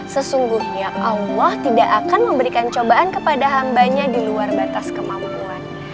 sesungguhnya allah tidak akan memberikan cobaan kepada hambanya di luar batas kemampuan